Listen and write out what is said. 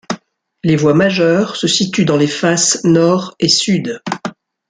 Les voies majeures se situent dans les faces Nord et Sud.